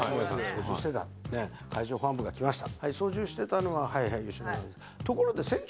操縦してた海上保安部が来ました。